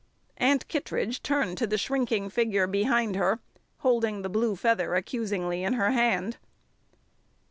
Aunt Kittredge turned to the shrinking figure behind her, holding the blue feather accusingly in her hand.